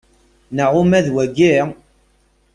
Neɣ uma d wayi.